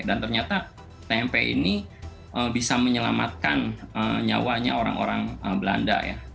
dan ternyata tempe ini bisa menyelamatkan nyawanya orang orang belanda ya